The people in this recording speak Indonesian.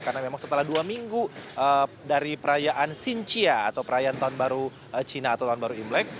karena memang setelah dua minggu dari perayaan xinjia atau perayaan tahun baru cina atau tahun baru imlek